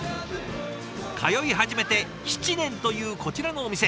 通い始めて７年というこちらのお店。